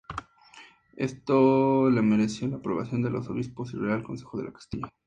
Esto le mereció la aprobación de los obispos y del Real Consejo de Castilla.